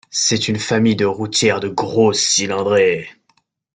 C'est une famille de routières de grosse cylindrée.